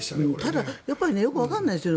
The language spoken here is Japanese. ただ、やっぱりよくわからないですよ。